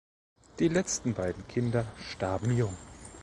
Die letzten beiden Kinder starben jung.